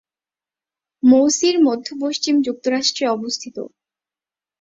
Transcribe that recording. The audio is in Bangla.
মিসৌরি মধ্য-পশ্চিম যুক্তরাষ্ট্রে অবস্থিত।